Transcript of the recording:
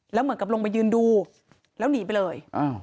แล้วเหมือนกับลงมายืนดูแล้วหนีไปเลย